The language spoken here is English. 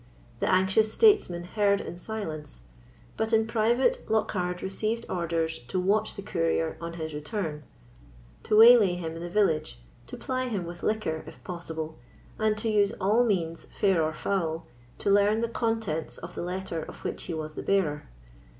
The anxious statesman heard in silence; but in private Lockhard received orders to watch the courier on his return, to waylay him in the village, to ply him with liquor, if possible, and to use all means, fair or foul, to learn the contents of the letter of which he was the bearer.